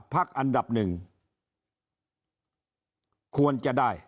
พักอันดับหนึ่งควรจะได้